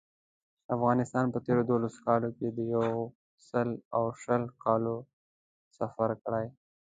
افغانستان په تېرو دولسو کالو کې د یو سل او شلو کالو سفر کړی.